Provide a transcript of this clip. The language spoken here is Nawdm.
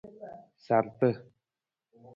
Sarta.